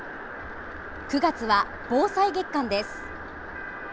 ９月は防災月間です。